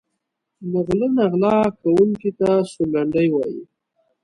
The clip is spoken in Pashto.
له غله نه غلا کونکي ته سورلنډی وايي.